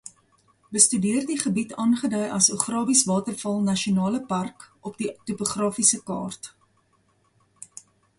Bestudeer die gebied aangedui as Augrabieswaterval Nasionale Park op die topografiese kaart.